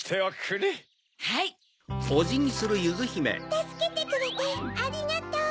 たすけてくれてありがとう。